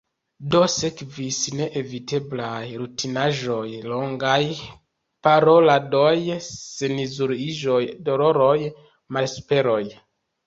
Do, sekvis neeviteblaj rutinaĵoj – longaj paroladoj, seniluziiĝoj, doloroj, malesperoj...